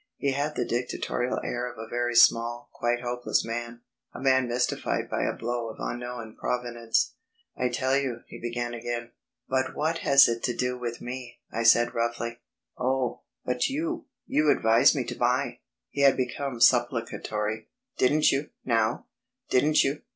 He had the dictatorial air of a very small, quite hopeless man, a man mystified by a blow of unknown provenance. "I tell you...." he began again. "But what has it to do with me?" I said roughly. "Oh, but you ... you advised me to buy." He had become supplicatory. "Didn't you, now?... Didn't you....